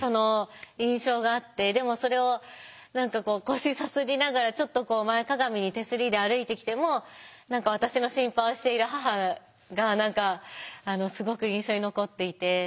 でもそれを何か腰さすりながらちょっと前かがみに手すりで歩いてきても私の心配をしている母が何かすごく印象に残っていて。